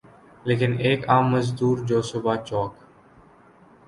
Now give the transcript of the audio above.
لیکن ایک عام مزدور جو صبح چوک